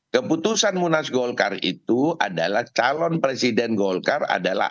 keputusan munas golkar itu adalah calon presiden golkar adalah